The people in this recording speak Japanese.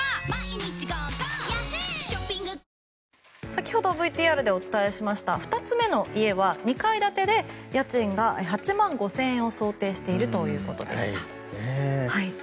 先ほどＶＴＲで紹介しましたが２つ目の家は２階建てで家賃が８万５０００円を想定しているということでした。